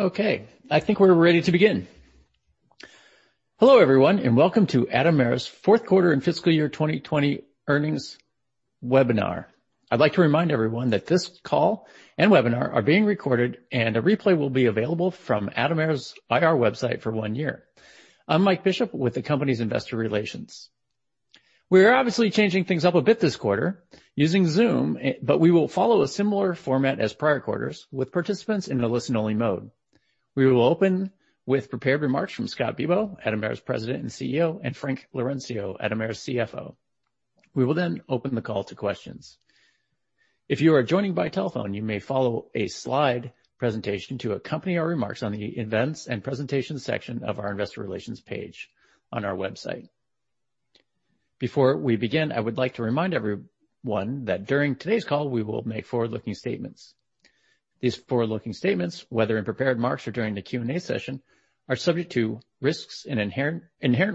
Okay, I think we're ready to begin. Hello, everyone, welcome to Atomera's fourth quarter and fiscal year 2020 earnings webinar. I'd like to remind everyone that this call and webinar are being recorded, a replay will be available from Atomera's IR website for one year. I'm Mike Bishop with the company's investor relations. We are obviously changing things up a bit this quarter using Zoom, we will follow a similar format as prior quarters with participants in a listen-only mode. We will open with prepared remarks from Scott Bibaud, Atomera's President and CEO, Frank Laurencio, Atomera's CFO. We will open the call to questions. If you are joining by telephone, you may follow a slide presentation to accompany our remarks on the Events and Presentation section of our Investor Relations page on our website. Before we begin, I would like to remind everyone that during today's call, we will make forward-looking statements. These forward-looking statements, whether in prepared remarks or during the Q&A session, are subject to risks and inherent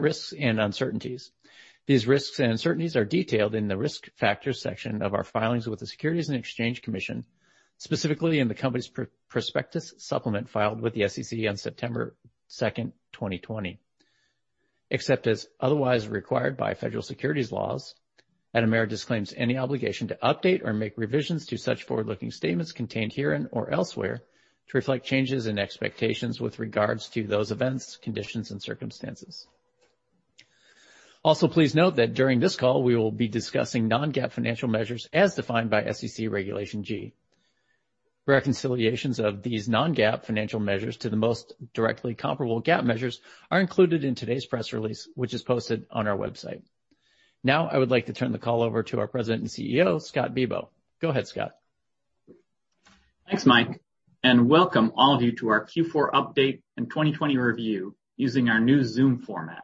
risks and uncertainties. These risks and uncertainties are detailed in the Risk Factors section of our filings with the Securities and Exchange Commission, specifically in the company's prospectus supplement filed with the SEC on September 2nd, 2020. Except as otherwise required by federal securities laws, Atomera disclaims any obligation to update or make revisions to such forward-looking statements contained herein or elsewhere to reflect changes in expectations with regards to those events, conditions, and circumstances. Also, please note that during this call, we will be discussing non-GAAP financial measures as defined by SEC Regulation G. Reconciliations of these non-GAAP financial measures to the most directly comparable GAAP measures are included in today's press release, which is posted on our website. I would like to turn the call over to our President and CEO, Scott Bibaud. Go ahead, Scott. Thanks, Mike, and welcome all of you to our Q4 update and 2020 review using our new Zoom format.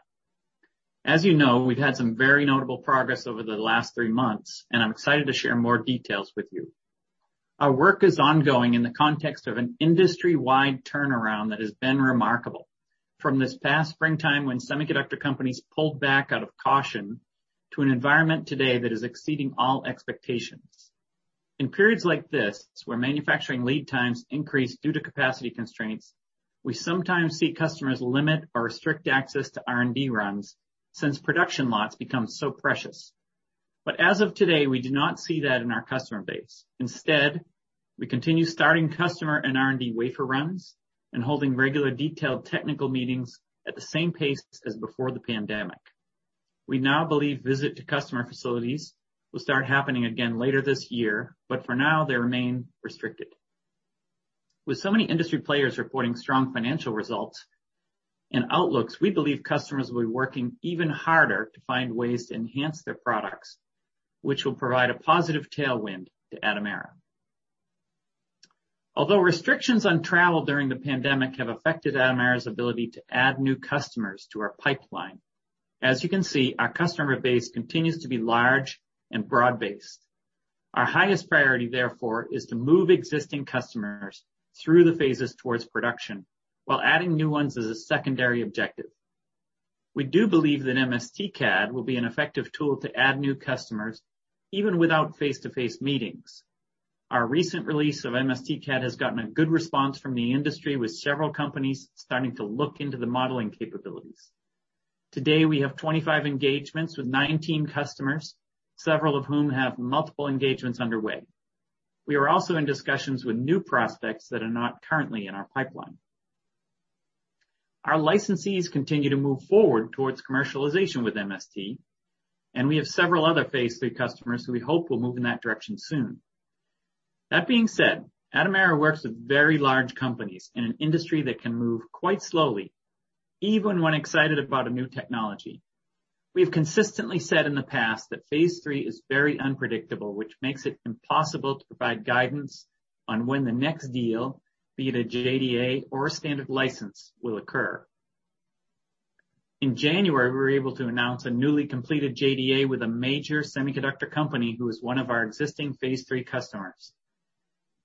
As you know, we've had some very notable progress over the last three months, and I'm excited to share more details with you. Our work is ongoing in the context of an industry-wide turnaround that has been remarkable. From this past springtime, when semiconductor companies pulled back out of caution, to an environment today that is exceeding all expectations. In periods like this where manufacturing lead times increase due to capacity constraints, we sometimes see customers limit or restrict access to R&D runs since production lots become so precious. As of today, we do not see that in our customer base. Instead, we continue starting customer and R&D wafer runs and holding regular detailed technical meetings at the same pace as before the pandemic. We now believe visits to customer facilities will start happening again later this year, but for now, they remain restricted. With so many industry players reporting strong financial results and outlooks, we believe customers will be working even harder to find ways to enhance their products, which will provide a positive tailwind to Atomera. Although restrictions on travel during the pandemic have affected Atomera's ability to add new customers to our pipeline, as you can see, our customer base continues to be large and broad-based. Our highest priority, therefore, is to move existing customers through the phases towards production while adding new ones as a secondary objective. We do believe that MSTcad will be an effective tool to add new customers, even without face-to-face meetings. Our recent release of MSTcad has gotten a good response from the industry, with several companies starting to look into the modeling capabilities. Today, we have 25 engagements with 19 customers, several of whom have multiple engagements underway. We are also in discussions with new prospects that are not currently in our pipeline. Our licensees continue to move forward towards commercialization with MST, and we have several other phase III customers who we hope will move in that direction soon. That being said, Atomera works with very large companies in an industry that can move quite slowly, even when excited about a new technology. We have consistently said in the past that phase III is very unpredictable, which makes it impossible to provide guidance on when the next deal, be it a JDA or a standard license, will occur. In January, we were able to announce a newly completed JDA with a major semiconductor company who is one of our existing phase III customers.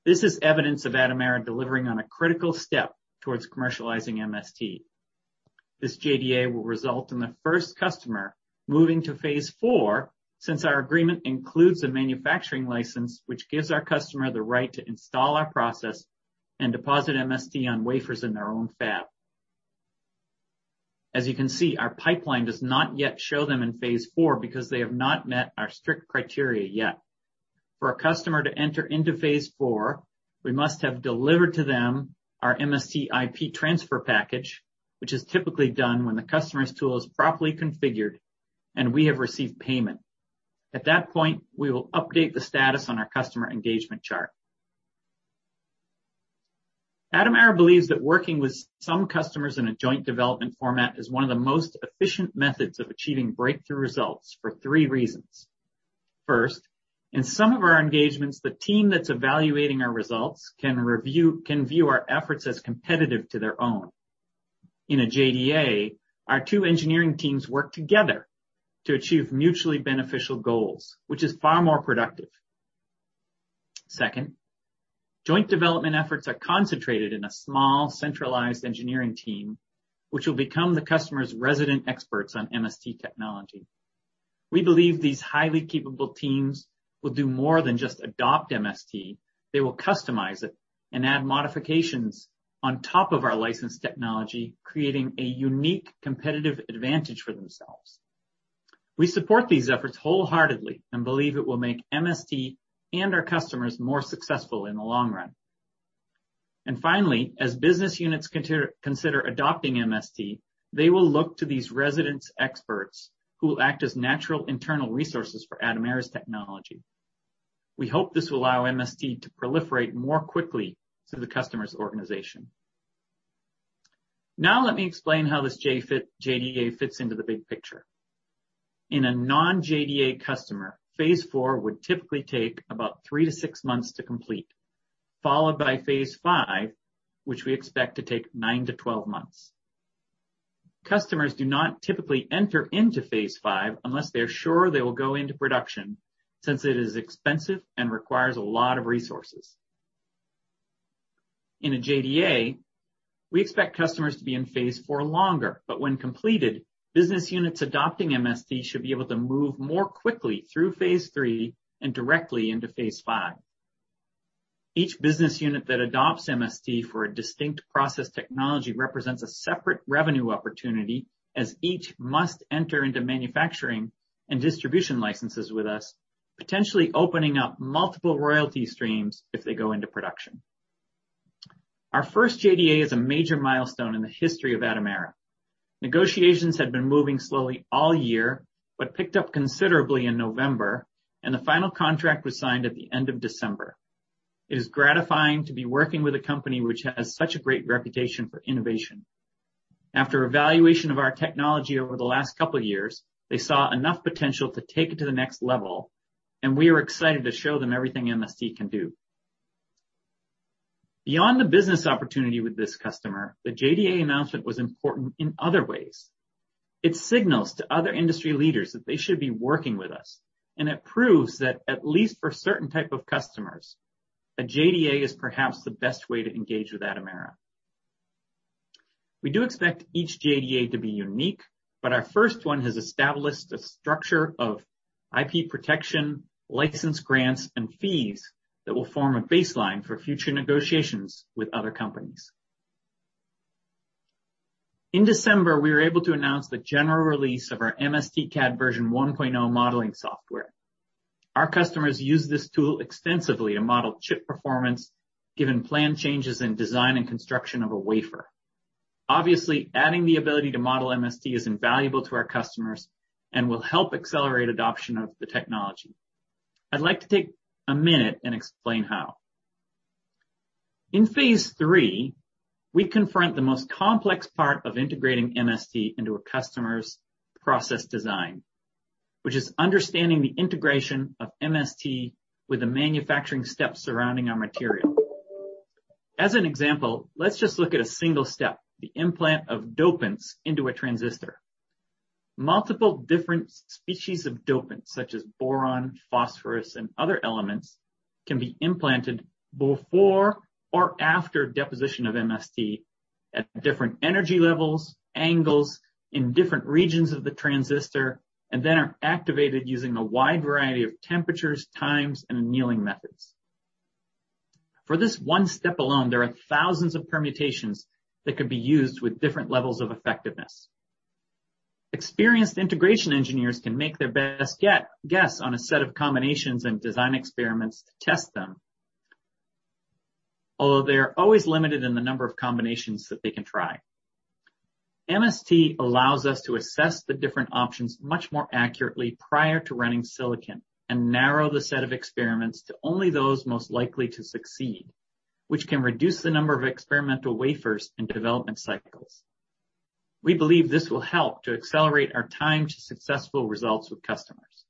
This is evidence of Atomera delivering on a critical step towards commercializing MST. This JDA will result in the first customer moving to phase IV, since our agreement includes a manufacturing license which gives our customer the right to install our process and deposit MST on wafers in their own fab. As you can see, our pipeline does not yet show them in phase IV because they have not met our strict criteria yet. For a customer to enter into phase IV, we must have delivered to them our MST IP transfer package, which is typically done when the customer's tool is properly configured and we have received payment. At that point, we will update the status on our customer engagement chart. Atomera believes that working with some customers in a joint development format is one of the most efficient methods of achieving breakthrough results for three reasons. First, in some of our engagements, the team that's evaluating our results can view our efforts as competitive to their own. In a JDA, our two engineering teams work together to achieve mutually beneficial goals, which is far more productive. Second, joint development efforts are concentrated in a small, centralized engineering team, which will become the customer's resident experts on MST technology. We believe these highly capable teams will do more than just adopt MST. They will customize it and add modifications on top of our licensed technology, creating a unique competitive advantage for themselves. We support these efforts wholeheartedly and believe it will make MST and our customers more successful in the long run. Finally, as business units consider adopting MST, they will look to these resident experts who will act as natural internal resources for Atomera's technology. We hope this will allow MST to proliferate more quickly through the customer's organization. Now let me explain how this JDA fits into the big picture. In a non-JDA customer, phase IV would typically take about three to six months to complete, followed by phase V, which we expect to take 9-12 months. Customers do not typically enter into phase V unless they are sure they will go into production, since it is expensive and requires a lot of resources. In a JDA, we expect customers to be in phase IV longer, but when completed, business units adopting MST should be able to move more quickly through phase III and directly into phase V. Each business unit that adopts MST for a distinct process technology represents a separate revenue opportunity, as each must enter into manufacturing and distribution licenses with us, potentially opening up multiple royalty streams if they go into production. Our first JDA is a major milestone in the history of Atomera. Negotiations had been moving slowly all year but picked up considerably in November, and the final contract was signed at the end of December. It is gratifying to be working with a company which has such a great reputation for innovation. After evaluation of our technology over the last couple of years, they saw enough potential to take it to the next level, and we are excited to show them everything MST can do. Beyond the business opportunity with this customer, the JDA announcement was important in other ways. It signals to other industry leaders that they should be working with us. It proves that at least for certain type of customers, a JDA is perhaps the best way to engage with Atomera. We do expect each JDA to be unique. Our first one has established a structure of IP protection, license grants, and fees that will form a baseline for future negotiations with other companies. In December, we were able to announce the general release of our MSTcad version 1.0 modeling software. Our customers use this tool extensively to model chip performance given planned changes in design and construction of a wafer. Obviously, adding the ability to model MST is invaluable to our customers and will help accelerate adoption of the technology. I'd like to take a minute and explain how. In phase III, we confront the most complex part of integrating MST into a customer's process design, which is understanding the integration of MST with the manufacturing steps surrounding our material. As an example, let's just look at a single step, the implant of dopants into a transistor. Multiple different species of dopants, such as boron, phosphorus, and other elements, can be implanted before or after deposition of MST at different energy levels, angles, in different regions of the transistor, and then are activated using a wide variety of temperatures, times, and annealing methods. For this one step alone, there are thousands of permutations that could be used with different levels of effectiveness. Experienced integration engineers can make their best guess on a set of combinations and design experiments to test them, although they are always limited in the number of combinations that they can try. MST allows us to assess the different options much more accurately prior to running silicon and narrow the set of experiments to only those most likely to succeed, which can reduce the number of experimental wafers and development cycles. We believe this will help to accelerate our time to successful results with customers.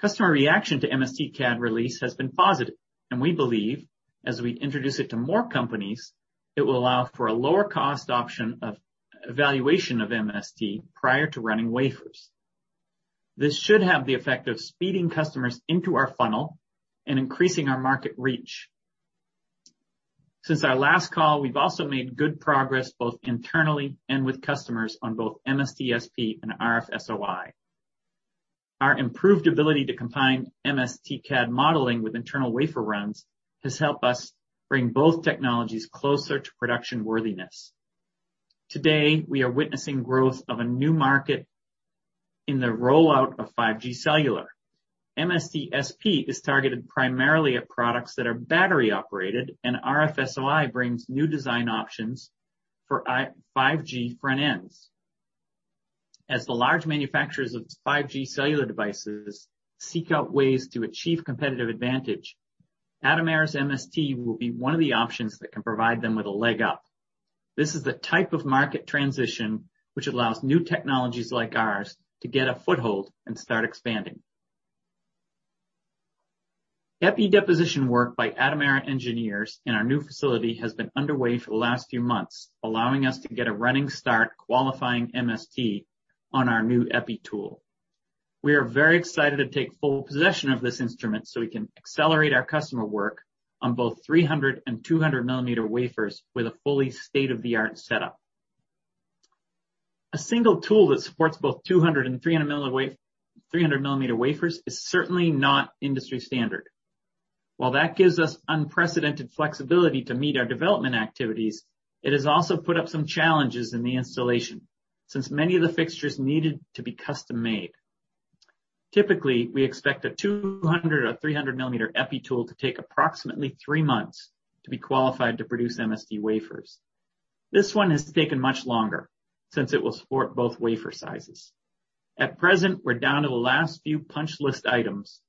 Customer reaction to MSTcad release has been positive, and we believe as we introduce it to more companies, it will allow for a lower cost option of evaluation of MST prior to running wafers. This should have the effect of speeding customers into our funnel and increasing our market reach. Since our last call, we've also made good progress both internally and with customers on both MST-SP and RF-SOI. Our improved ability to combine MSTcad modeling with internal wafer runs has helped us bring both technologies closer to production worthiness. Today, we are witnessing growth of a new market in the rollout of 5G cellular. MST-SP is targeted primarily at products that are battery-operated, and RF-SOI brings new design options for 5G front ends. As the large manufacturers of 5G cellular devices seek out ways to achieve competitive advantage, Atomera's MST will be one of the options that can provide them with a leg up. This is the type of market transition which allows new technologies like ours to get a foothold and start expanding. EPI deposition work by Atomera engineers in our new facility has been underway for the last few months, allowing us to get a running start qualifying MST on our new EPI tool. We are very excited to take full possession of this instrument so we can accelerate our customer work on both 300mm and 200 mm wafers with a fully state-of-the-art setup. A single tool that supports both 200mm and 300 mm wafers is certainly not industry standard. While that gives us unprecedented flexibility to meet our development activities, it has also put up some challenges in the installation, since many of the fixtures needed to be custom-made. Typically, we expect a 200 mm or 300 mm EPI tool to take approximately three months to be qualified to produce MST wafers. This one has taken much longer since it will support both wafer sizes. At present, we're down to the last few punch list items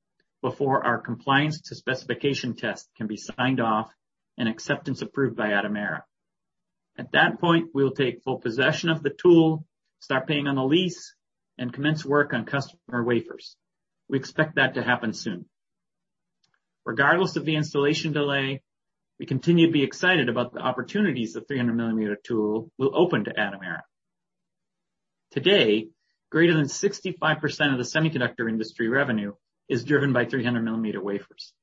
before our compliance to specification test can be signed off and acceptance approved by Atomera. At that point, we will take full possession of the tool, start paying on the lease, and commence work on customer wafers. We expect that to happen soon. Regardless of the installation delay, we continue to be excited about the opportunities the 300 mm tool will open to Atomera. Today, greater than 65% of the semiconductor industry revenue is driven by 300 mm wafers.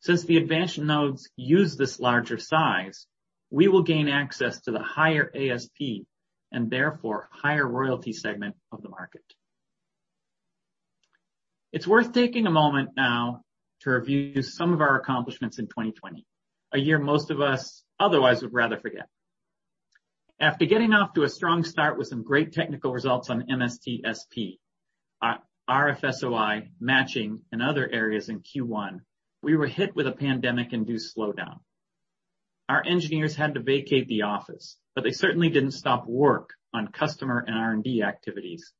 Since the advanced nodes use this larger size, we will gain access to the higher ASP, and therefore higher royalty segment of the market. It's worth taking a moment now to review some of our accomplishments in 2020, a year most of us otherwise would rather forget. After getting off to a strong start with some great technical results on MST-SP, our RF-SOI matching and other areas in Q1, we were hit with a pandemic-induced slowdown. Our engineers had to vacate the office, but they certainly didn't stop work on customer and R&D activities,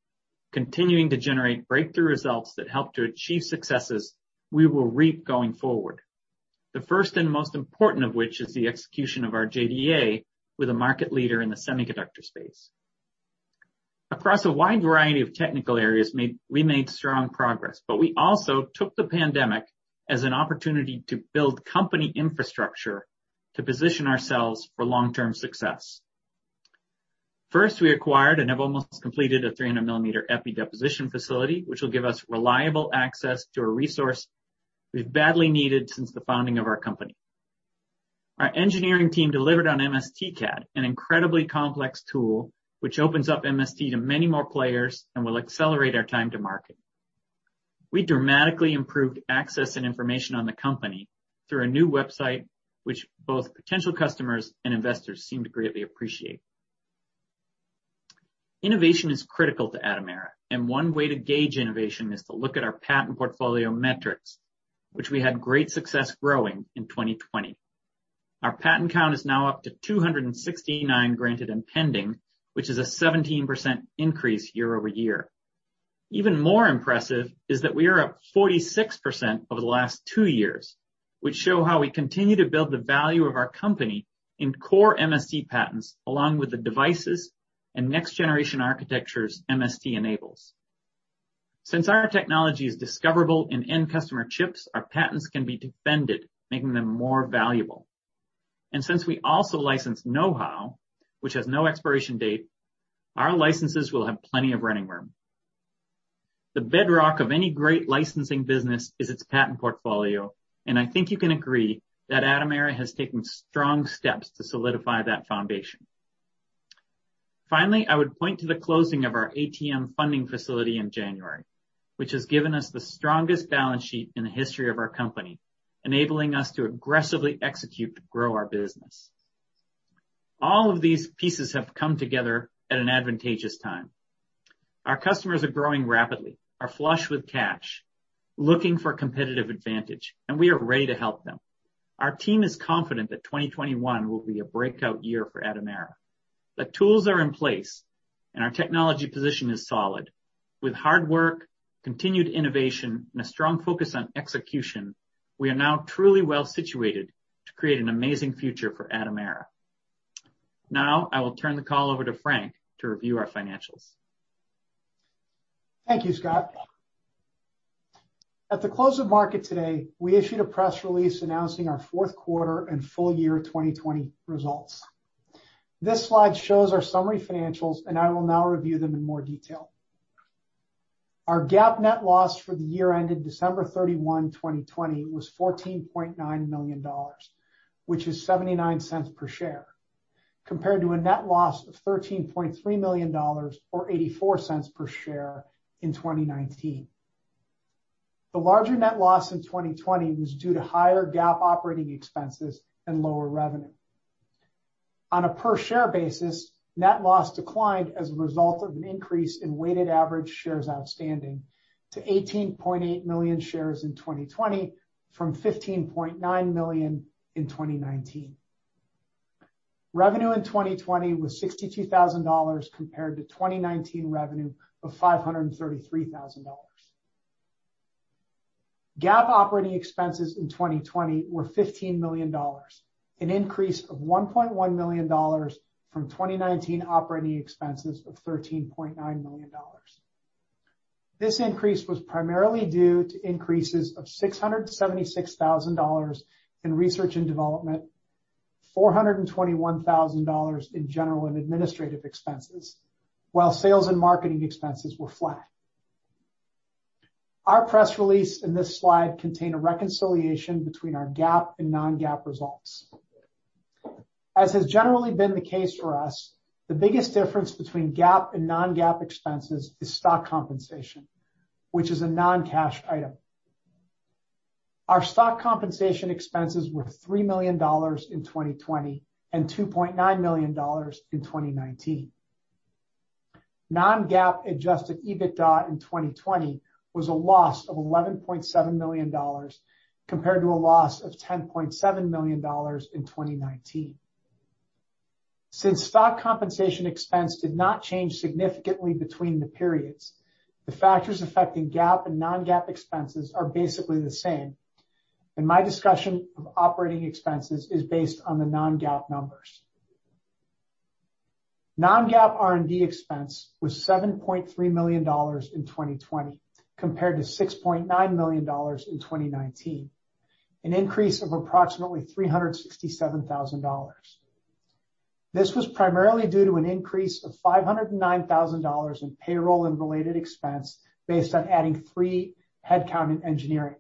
continuing to generate breakthrough results that helped to achieve successes we will reap going forward. The first and most important of which is the execution of our JDA with a market leader in the semiconductor space. Across a wide variety of technical areas, we made strong progress, but we also took the pandemic as an opportunity to build company infrastructure to position ourselves for long-term success. First, we acquired and have almost completed a 300 mm epi deposition facility, which will give us reliable access to a resource we've badly needed since the founding of our company. Our engineering team delivered on MSTcad, an incredibly complex tool, which opens up MST to many more players and will accelerate our time to market. We dramatically improved access and information on the company through a new website, which both potential customers and investors seem to greatly appreciate. Innovation is critical to Atomera, and one way to gauge innovation is to look at our patent portfolio metrics, which we had great success growing in 2020. Our patent count is now up to 269 granted and pending, which is a 17% increase year-over-year. Even more impressive is that we are up 46% over the last two years, which show how we continue to build the value of our company in core MST patents, along with the devices and next generation architectures MST enables. Since our technology is discoverable in end customer chips, our patents can be defended, making them more valuable. Since we also license knowhow, which has no expiration date, our licenses will have plenty of running room. The bedrock of any great licensing business is its patent portfolio, and I think you can agree that Atomera has taken strong steps to solidify that foundation. Finally, I would point to the closing of our ATM funding facility in January, which has given us the strongest balance sheet in the history of our company, enabling us to aggressively execute to grow our business. All of these pieces have come together at an advantageous time. Our customers are growing rapidly, are flush with cash, looking for competitive advantage, and we are ready to help them. Our team is confident that 2021 will be a breakout year for Atomera. The tools are in place, and our technology position is solid. With hard work, continued innovation, and a strong focus on execution, we are now truly well situated to create an amazing future for Atomera. Now, I will turn the call over to Frank to review our financials. Thank you, Scott. At the close of market today, we issued a press release announcing our fourth quarter and full year 2020 results. This slide shows our summary financials, and I will now review them in more detail. Our GAAP net loss for the year ended December 31, 2020, was $14.9 million, which is $0.79 per share, compared to a net loss of $13.3 million or $0.84 per share in 2019. The larger net loss in 2020 was due to higher GAAP operating expenses and lower revenue. On a per share basis, net loss declined as a result of an increase in weighted average shares outstanding to 18.8 million shares in 2020 from 15.9 million in 2019. Revenue in 2020 was $62,000 compared to 2019 revenue of $533,000. GAAP operating expenses in 2020 were $15 million, an increase of $1.1 million from 2019 operating expenses of $13.9 million. This increase was primarily due to increases of $676,000 in research and development, $421,000 in general and administrative expenses, while sales and marketing expenses were flat. Our press release and this slide contain a reconciliation between our GAAP and non-GAAP results. As has generally been the case for us, the biggest difference between GAAP and non-GAAP expenses is stock compensation, which is a non-cash item. Our stock compensation expenses were $3 million in 2020 and $2.9 million in 2019. Non-GAAP adjusted EBITDA in 2020 was a loss of $11.7 million, compared to a loss of $10.7 million in 2019. Since stock compensation expense did not change significantly between the periods, the factors affecting GAAP and non-GAAP expenses are basically the same, and my discussion of operating expenses is based on the non-GAAP numbers. Non-GAAP R&D expense was $7.3 million in 2020 compared to $6.9 million in 2019, an increase of approximately $367,000. This was primarily due to an increase of $509,000 in payroll and related expense based on adding three headcount in engineering,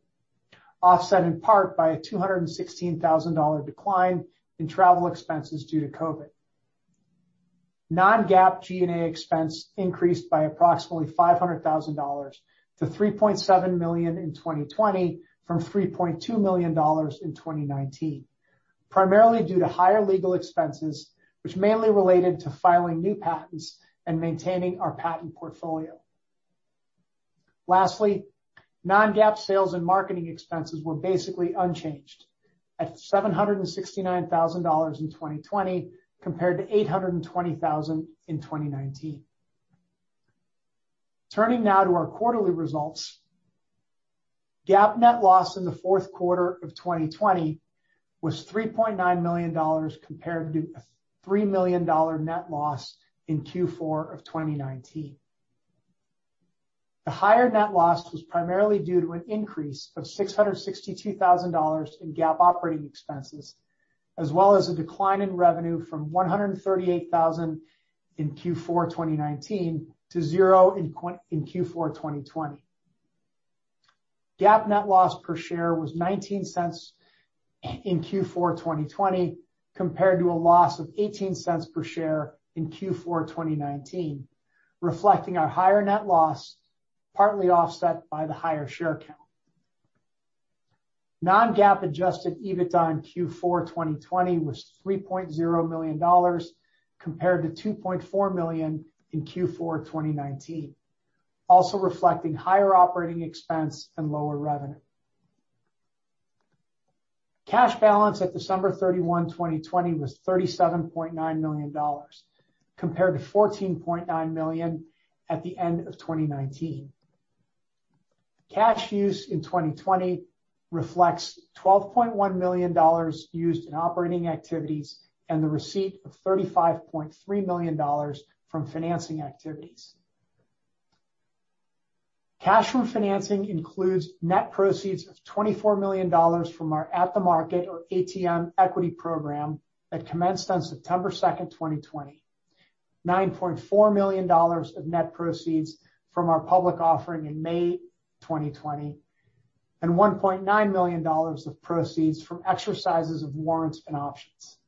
offset in part by a $216,000 decline in travel expenses due to COVID. Non-GAAP G&A expense increased by approximately $500,000 to $3.7 million in 2020 from $3.2 million in 2019, primarily due to higher legal expenses, which mainly related to filing new patents and maintaining our patent portfolio. Lastly, non-GAAP sales and marketing expenses were basically unchanged at $769,000 in 2020 compared to $820,000 in 2019. Turning now to our quarterly results. GAAP net loss in the fourth quarter of 2020 was $3.9 million compared to a $3 million net loss in Q4 of 2019. The higher net loss was primarily due to an increase of $662,000 in GAAP operating expenses, as well as a decline in revenue from $138,000 in Q4 2019 to zero in Q4 2020. GAAP net loss per share was $0.19 in Q4 2020 compared to a loss of $0.18 per share in Q4 2019, reflecting our higher net loss, partly offset by the higher share count. Non-GAAP adjusted EBITDA in Q4 2020 was $3.0 million compared to $2.4 million in Q4 2019, also reflecting higher operating expense and lower revenue. Cash balance at December 31, 2020, was $37.9 million compared to $14.9 million at the end of 2019. Cash use in 2020 reflects $12.1 million used in operating activities and the receipt of $35.3 million from financing activities. Cash from financing includes net proceeds of $24 million from our at-the-market, or ATM, equity program that commenced on September 2nd, 2020, $9.4 million of net proceeds from our public offering in May 2020, and $1.9 million of proceeds from exercises of warrants and options.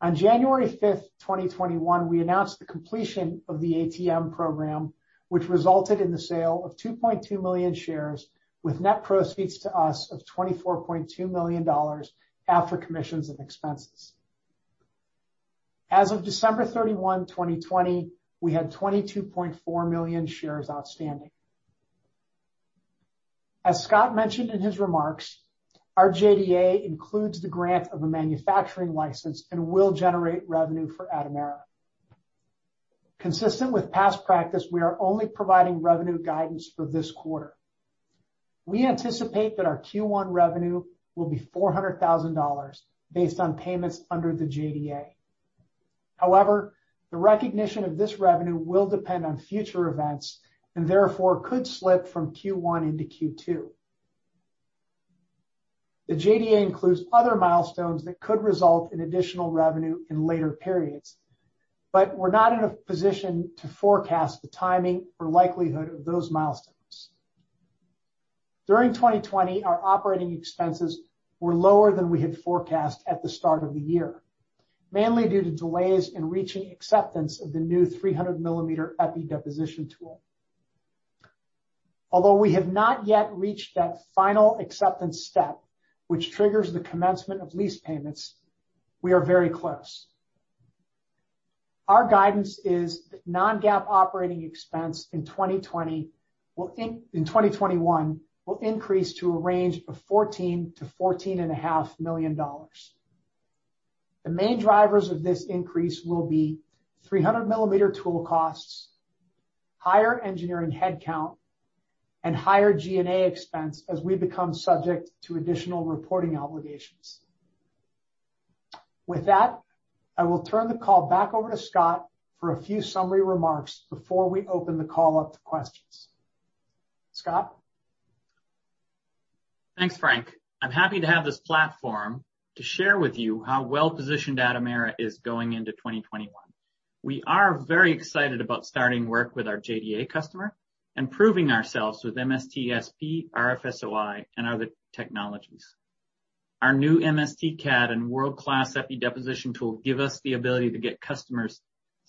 On January 5th, 2021, we announced the completion of the ATM program, which resulted in the sale of 2.2 million shares with net proceeds to us of $24.2 million after commissions and expenses. As of December 31, 2020, we had 22.4 million shares outstanding. As Scott mentioned in his remarks, our JDA includes the grant of a manufacturing license and will generate revenue for Atomera. Consistent with past practice, we are only providing revenue guidance for this quarter. We anticipate that our Q1 revenue will be $400,000 based on payments under the JDA. The recognition of this revenue will depend on future events and therefore could slip from Q1 into Q2. The JDA includes other milestones that could result in additional revenue in later periods, but we're not in a position to forecast the timing or likelihood of those milestones. During 2020, our operating expenses were lower than we had forecast at the start of the year, mainly due to delays in reaching acceptance of the new 300 mm EPI deposition tool. Although we have not yet reached that final acceptance step, which triggers the commencement of lease payments, we are very close. Our guidance is that non-GAAP operating expense in 2021 will increase to a range of $14 million-$14.5 million. The main drivers of this increase will be 300 mm tool costs, higher engineering headcount, and higher G&A expense as we become subject to additional reporting obligations. With that, I will turn the call back over to Scott for a few summary remarks before we open the call up to questions. Scott? Thanks, Frank. I'm happy to have this platform to share with you how well-positioned Atomera is going into 2021. We are very excited about starting work with our JDA customer and proving ourselves with MST-SP, RF-SOI, and other technologies. Our new MSTcad and world-class EPI deposition tool give us the ability to get customers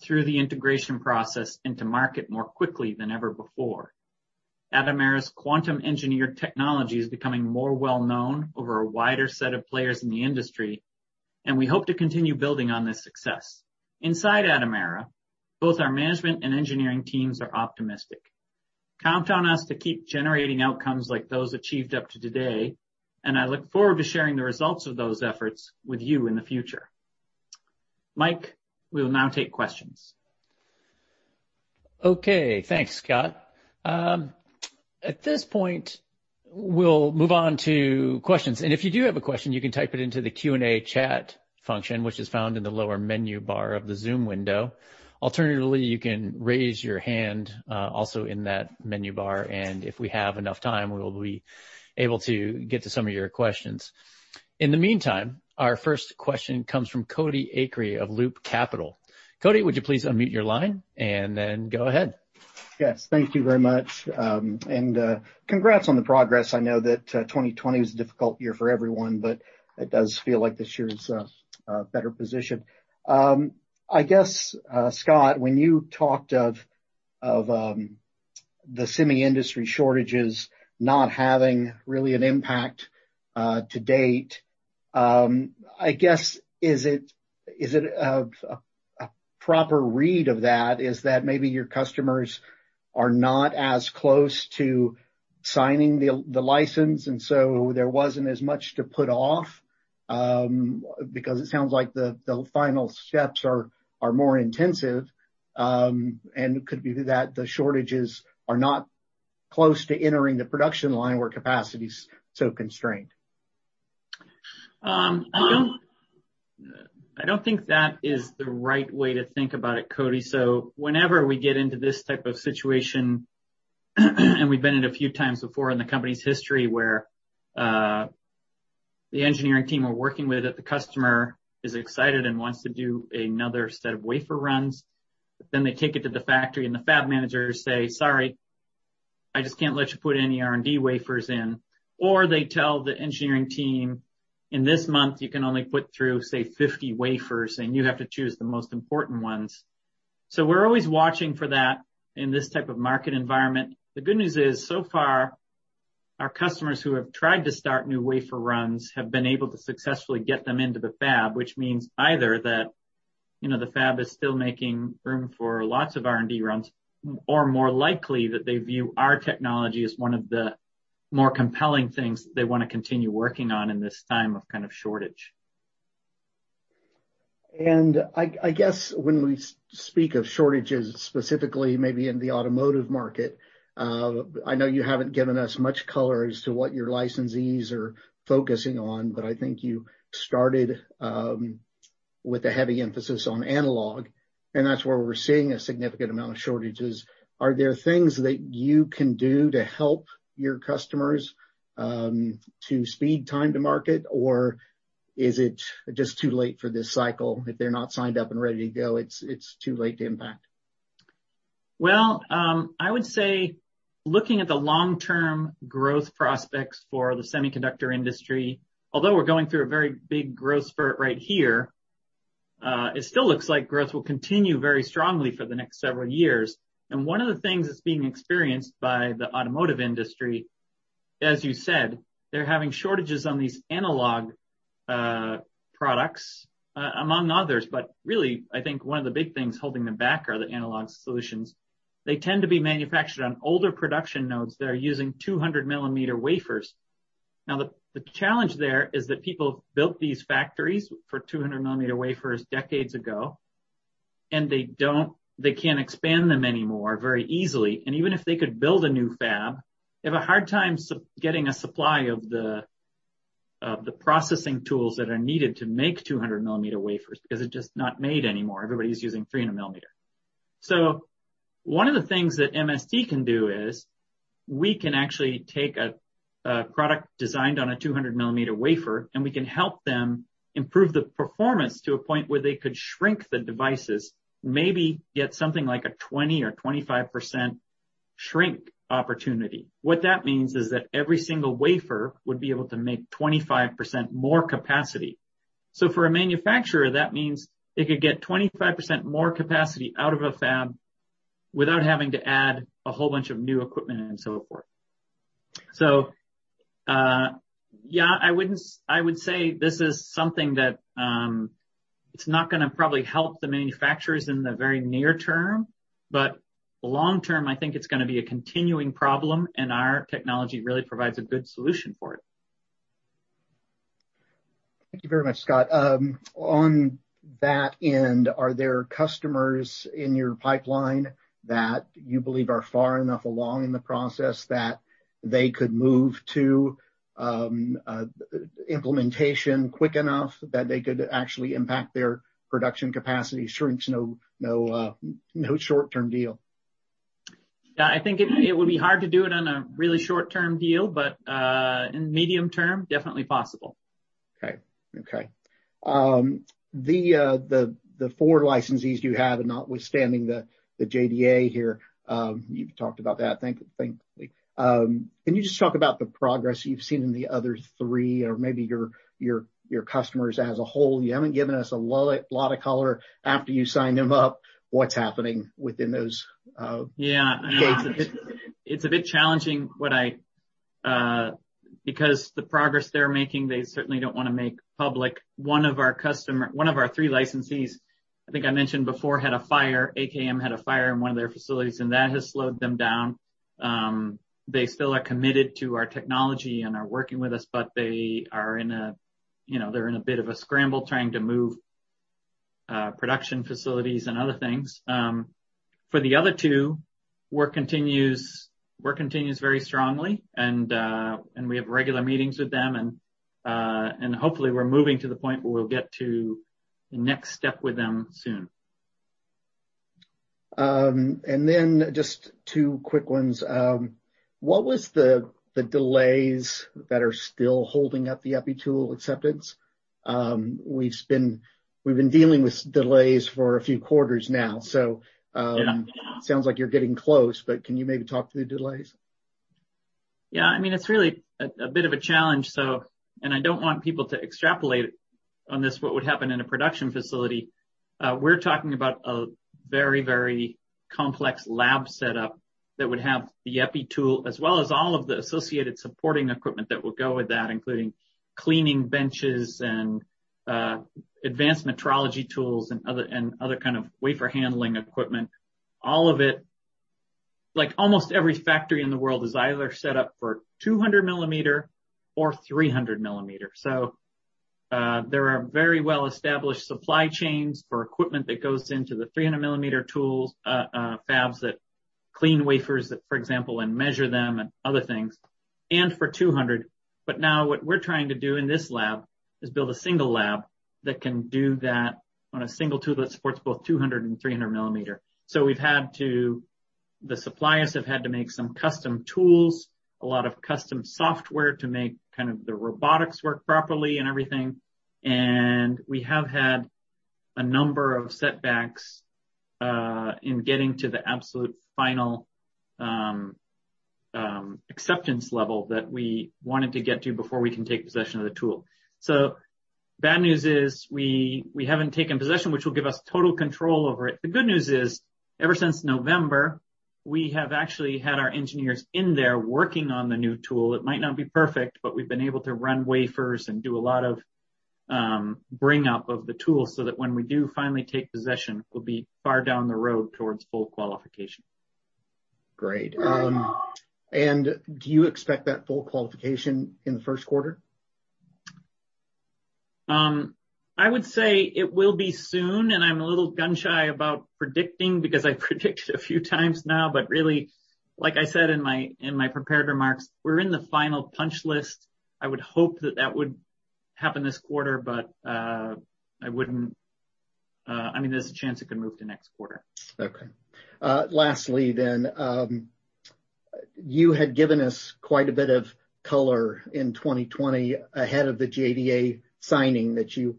through the integration process into market more quickly than ever before. Atomera's quantum engineered technology is becoming more well-known over a wider set of players in the industry, and we hope to continue building on this success. Inside Atomera, both our management and engineering teams are optimistic. Count on us to keep generating outcomes like those achieved up to today, and I look forward to sharing the results of those efforts with you in the future. Mike, we will now take questions. Okay. Thanks, Scott. At this point, we'll move on to questions, and if you do have a question, you can type it into the Q&A chat function, which is found in the lower menu bar of the Zoom window. Alternatively, you can raise your hand, also in that menu bar, and if we have enough time, we will be able to get to some of your questions. In the meantime, our first question comes from Cody Acree of Loop Capital. Cody, would you please unmute your line and then go ahead? Yes, thank you very much. Congrats on the progress. I know that 2020 was a difficult year for everyone, but it does feel like this year is a better position. I guess, Scott, when you talked of the semi industry shortages not having really an impact to date, I guess is it a proper read of that is that maybe your customers are not as close to signing the license, and so there wasn't as much to put off? Because it sounds like the final steps are more intensive, and it could be that the shortages are not close to entering the production line where capacity's so constrained. I don't think that is the right way to think about it, Cody. Whenever we get into this type of situation, and we've been in it a few times before in the company's history, where the engineering team we're working with at the customer is excited and wants to do another set of wafer runs. They take it to the factory, and the fab managers say, Sorry, I just can't let you put any R&D wafers in. They tell the engineering team, In this month, you can only put through, say, 50 wafers, and you have to choose the most important ones. We're always watching for that in this type of market environment. The good news is, so far, our customers who have tried to start new wafer runs have been able to successfully get them into the fab, which means either that the fab is still making room for lots of R&D runs or, more likely, that they view our technology as one of the more compelling things they want to continue working on in this time of shortage. I guess when we speak of shortages, specifically maybe in the automotive market, I know you haven't given us much color as to what your licensees are focusing on, but I think you started with a heavy emphasis on analog, and that's where we're seeing a significant amount of shortages. Are there things that you can do to help your customers to speed time to market, or is it just too late for this cycle? If they're not signed up and ready to go, it's too late to impact. Well, I would say, looking at the long-term growth prospects for the semiconductor industry, although we're going through a very big growth spurt right here, it still looks like growth will continue very strongly for the next several years. One of the things that's being experienced by the automotive industry, as you said, they're having shortages on these analog products, among others, but really, I think one of the big things holding them back are the analog solutions. They tend to be manufactured on older production nodes that are using 200 mm wafers. Now, the challenge there is that people have built these factories for 200 mm wafers decades ago, and they can't expand them anymore very easily. Even if they could build a new fab, they have a hard time getting a supply of the processing tools that are needed to make 200 mm wafers because it's just not made anymore. Everybody's using 300 mm. One of the things that MST can do is we can actually take a product designed on a 200 mm wafer, and we can help them improve the performance to a point where they could shrink the devices, maybe get something like a 20% or 25% shrink opportunity. What that means is that every single wafer would be able to make 25% more capacity. For a manufacturer, that means they could get 25% more capacity out of a fab without having to add a whole bunch of new equipment and so forth. I would say this is something that it's not going to probably help the manufacturers in the very near term, but long term, I think it's going to be a continuing problem, and our technology really provides a good solution for it. Thank you very much, Scott. On that end, are there customers in your pipeline that you believe are far enough along in the process that they could move to implementation quick enough that they could actually impact their production capacity shrinks? No short-term deal. I think it would be hard to do it on a really short-term deal, but in medium-term, definitely possible. Okay. The four licensees you have, and notwithstanding the JDA here, you've talked about that, thankfully. Can you just talk about the progress you've seen in the other three, or maybe your customers as a whole? You haven't given us a lot of color after you signed them up, what's happening within those. Yeah gates? It's a bit challenging because the progress they're making, they certainly don't want to make public. One of our three licensees, I think I mentioned before, had a fire. AKM had a fire in one of their facilities, and that has slowed them down. They still are committed to our technology and are working with us, but they're in a bit of a scramble trying to move production facilities and other things. For the other two, work continues very strongly, and we have regular meetings with them, and hopefully, we're moving to the point where we'll get to the next step with them soon. Just two quick ones. What was the delays that are still holding up the EPI tool acceptance? We've been dealing with delays for a few quarters now. Yeah sounds like you're getting close, but can you maybe talk to the delays? Yeah. It's really a bit of a challenge. I don't want people to extrapolate on this what would happen in a production facility. We're talking about a very complex lab setup that would have the EPI tool, as well as all of the associated supporting equipment that would go with that, including cleaning benches and advanced metrology tools and other kind of wafer handling equipment. Almost every factory in the world is either set up for 200 mm or 300 mm. There are very well-established supply chains for equipment that goes into the 300 mm fabs that clean wafers, for example, and measure them and other things, and for 200 mm. Now, what we're trying to do in this lab is build a single lab that can do that on a single tool that supports both 200 mm and 300 mm. The suppliers have had to make some custom tools, a lot of custom software to make the robotics work properly and everything. We have had a number of setbacks in getting to the absolute final acceptance level that we wanted to get to before we can take possession of the tool. Bad news is we haven't taken possession, which will give us total control over it. The good news is, ever since November, we have actually had our engineers in there working on the new tool. It might not be perfect, but we've been able to run wafers and do a lot of bring up of the tool so that when we do finally take possession, we'll be far down the road towards full qualification. Great. Do you expect that full qualification in the first quarter? I would say it will be soon, and I'm a little gun shy about predicting, because I've predicted a few times now. Really, like I said in my prepared remarks, we're in the final punch list. I would hope that that would happen this quarter, but there's a chance it could move to next quarter. Okay. Lastly, you had given us quite a bit of color in 2020 ahead of the JDA signing, that you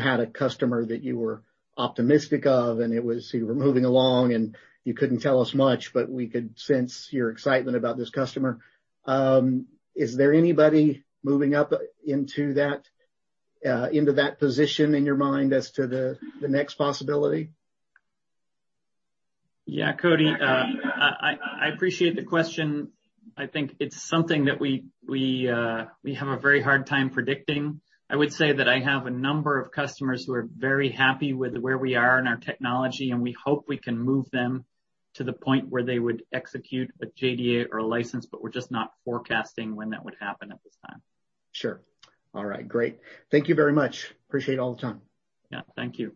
had a customer that you were optimistic of, and you were moving along, and you couldn't tell us much, but we could sense your excitement about this customer. Is there anybody moving up into that position in your mind as to the next possibility? Yeah, Cody. I appreciate the question. I think it's something that we have a very hard time predicting. I would say that I have a number of customers who are very happy with where we are in our technology, and we hope we can move them to the point where they would execute a JDA or a license, but we're just not forecasting when that would happen at this time. Sure. All right. Great. Thank you very much. Appreciate all the time. Yeah. Thank you.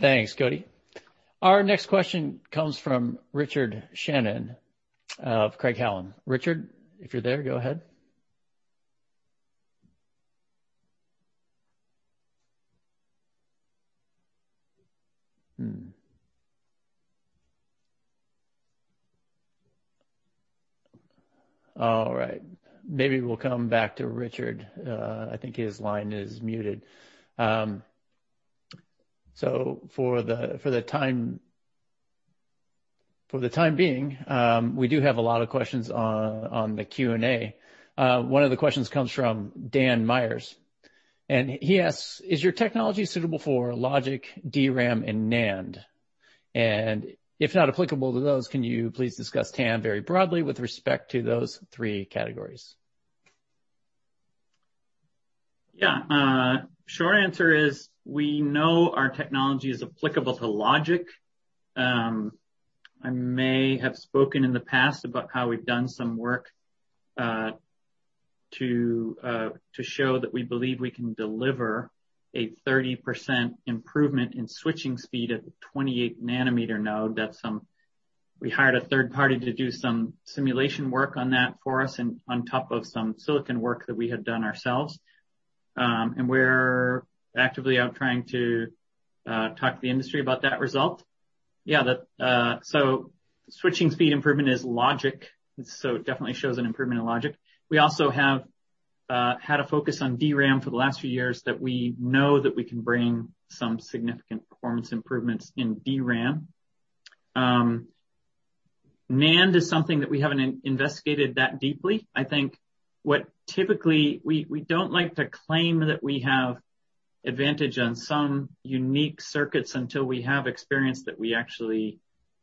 Thanks, Cody. Our next question comes from Richard Shannon of Craig-Hallum. Richard, if you're there, go ahead. All right. Maybe we'll come back to Richard. I think his line is muted. For the time being, we do have a lot of questions on the Q&A. One of the questions comes from Dan Myers, and he asks, Is your technology suitable for logic, DRAM, and NAND? If not applicable to those, can you please discuss TAM very broadly with respect to those three categories? Yeah. Short answer is we know our technology is applicable to logic. I may have spoken in the past about how we've done some work to show that we believe we can deliver a 30% improvement in switching speed at the 28 nm node. We hired a third party to do some simulation work on that for us, and on top of some silicon work that we had done ourselves. We're actively out trying to talk to the industry about that result. Yeah. Switching speed improvement is logic, so it definitely shows an improvement in logic. We also have had a focus on DRAM for the last few years that we know that we can bring some significant performance improvements in DRAM. NAND is something that we haven't investigated that deeply. I think what typically, we don't like to claim that we have advantage on some unique circuits until we have experience that we've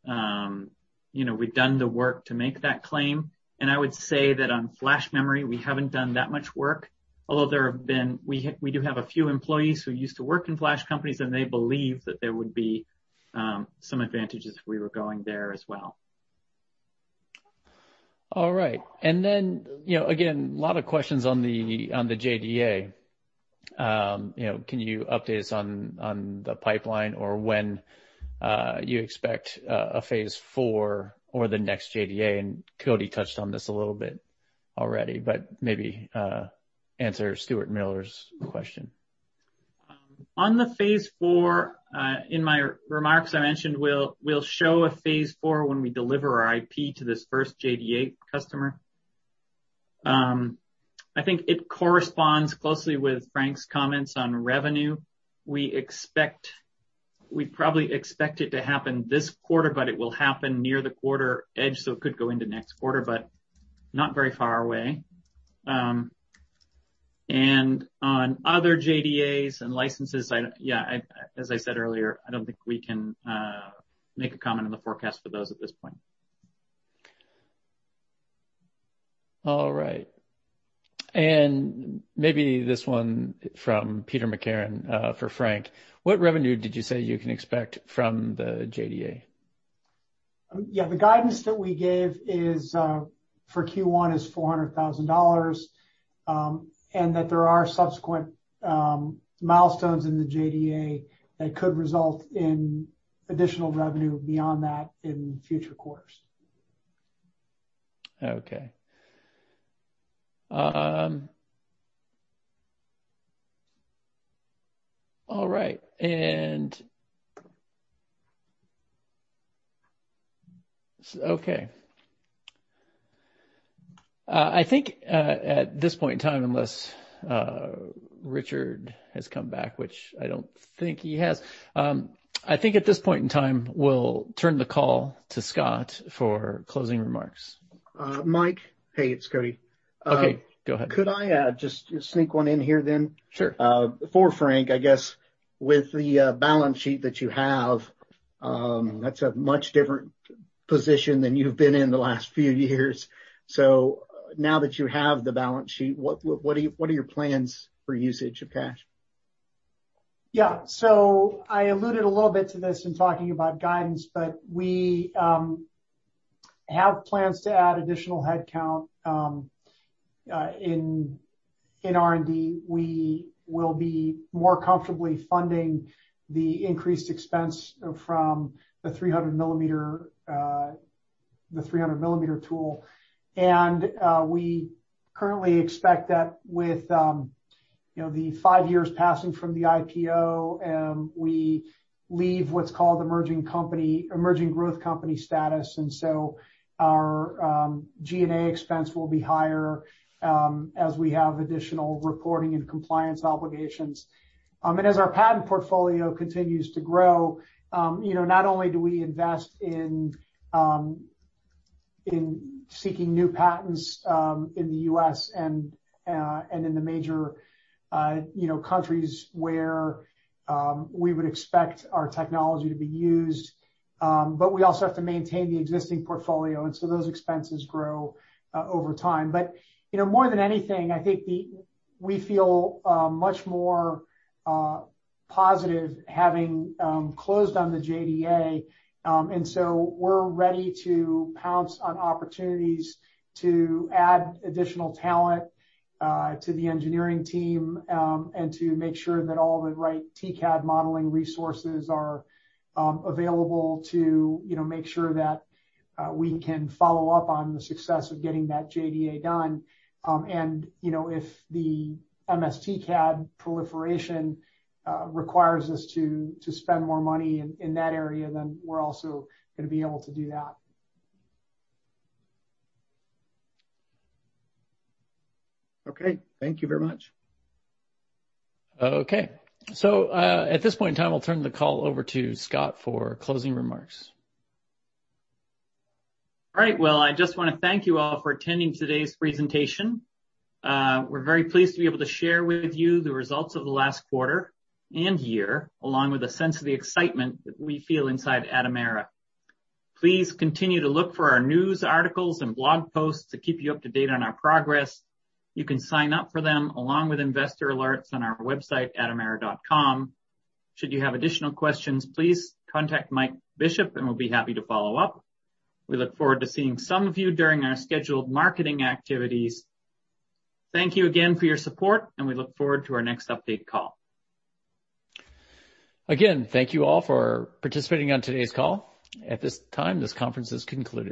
done the work to make that claim. I would say that on flash memory, we haven't done that much work, although we do have a few employees who used to work in flash companies. They believe that there would be some advantages if we were going there as well. All right. Again, a lot of questions on the JDA. Can you update us on the pipeline or when you expect a phase IV or the next JDA? Cody touched on this a little bit already, but maybe answer Stuart Miller's question. On the phase IV, in my remarks, I mentioned we'll show a phase IV when we deliver our IP to this first JDA customer. I think it corresponds closely with Frank's comments on revenue. We'd probably expect it to happen this quarter, but it will happen near the quarter edge, so it could go into next quarter, but not very far away. On other JDAs and licenses, as I said earlier, I don't think we can make a comment on the forecast for those at this point. All right. Maybe this one from Peter McCarron for Frank. What revenue did you say you can expect from the JDA? Yeah. The guidance that we gave for Q1 is $400,000, and that there are subsequent milestones in the JDA that could result in additional revenue beyond that in future quarters. Okay. All right. Okay. I think, at this point in time, unless Richard has come back, which I don't think he has. I think at this point in time, we'll turn the call to Scott for closing remarks. Mike. Hey, it's Cody. Okay. Go ahead. Could I just sneak one in here then? Sure. For Frank, I guess, with the balance sheet that you have, that's a much different position than you've been in the last few years. Now that you have the balance sheet, what are your plans for usage of cash? Yeah. I alluded a little bit to this in talking about guidance, but we have plans to add additional headcount in R&D. We will be more comfortably funding the increased expense from the 300 mm tool. We currently expect that with the five years passing from the IPO, we leave what's called emerging growth company status, our G&A expense will be higher as we have additional reporting and compliance obligations. As our patent portfolio continues to grow, not only do we invest in seeking new patents in the U.S. and in the major countries where we would expect our technology to be used, but we also have to maintain the existing portfolio, those expenses grow over time. More than anything, I think we feel much more positive having closed on the JDA. We're ready to pounce on opportunities to add additional talent to the engineering team, and to make sure that all the right TCAD modeling resources are available to make sure that we can follow up on the success of getting that JDA done. If the MSTcad proliferation requires us to spend more money in that area, we're also going to be able to do that. Okay. Thank you very much. Okay. At this point in time, I'll turn the call over to Scott for closing remarks. All right. Well, I just want to thank you all for attending today's presentation. We're very pleased to be able to share with you the results of the last quarter and year, along with a sense of the excitement that we feel inside Atomera. Please continue to look for our news articles and blog posts to keep you up to date on our progress. You can sign up for them along with investor alerts on our website, atomera.com. Should you have additional questions, please contact Mike Bishop, and we'll be happy to follow up. We look forward to seeing some of you during our scheduled marketing activities. Thank you again for your support, and we look forward to our next update call. Again, thank you all for participating on today's call. At this time, this conference is concluded.